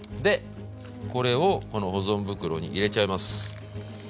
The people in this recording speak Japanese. これをこの保存袋に入れちゃいます。